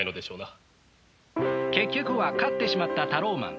結局は勝ってしまったタローマン。